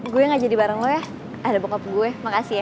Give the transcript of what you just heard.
gue ga jadi bareng lu ya ada bokap gue makasih ya